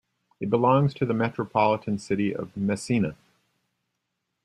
It belongs to the Metropolitan City of Messina.